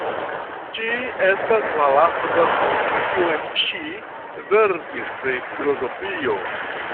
Ĝi estas la lasta verko kiun ŝi verkis pri filozofio.